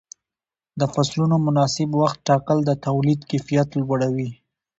د فصلونو مناسب وخت ټاکل د تولید کیفیت لوړوي.